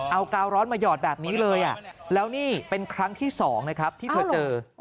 เอากาวร้อนมาหยอดแบบนี้เลยแล้วนี่เป็นครั้งที่๒นะครับที่เธอเจอ